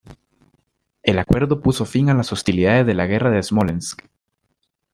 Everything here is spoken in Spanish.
El acuerdo puso fin a las hostilidades de la Guerra de Smolensk.